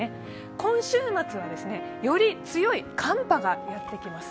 今週末はより強い寒波がやってきます。